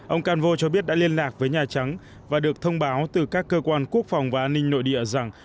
ông canvo cho biết đã liên lạc với nhà trắng và được thông báo từ các cơ quan quốc phòng và an ninh nội địa rằng